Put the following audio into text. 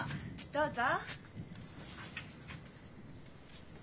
どうぞ！